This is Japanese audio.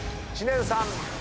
知念さん